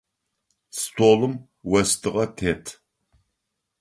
Столым остыгъэ тет.